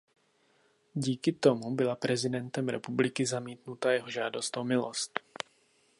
Díky tomu byla prezidentem republiky zamítnuta jeho žádost o milost.